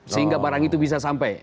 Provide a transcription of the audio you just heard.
sehingga barang itu bisa sampai